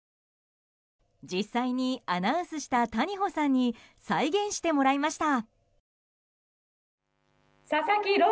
実際にアナウンスした谷保さんに再現してもらいました。